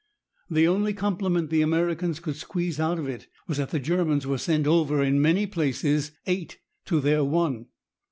The only compliment the Americans could squeeze out of it was that the Germans were sent over in many places eight to their one.